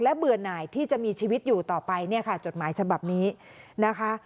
เบื่อหน่ายที่จะมีชีวิตอยู่ต่อไปเนี่ยค่ะจดหมายฉบับนี้นะคะ